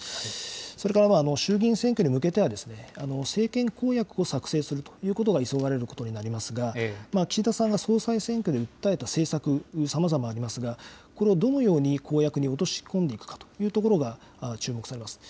それから衆議院選挙に向けては、政権公約を作成するということが急がれることになりますが、岸田さんが総裁選挙で訴えた政策、さまざまありますが、これをどのように公約に落とし込んでいくかというところが、注目されます。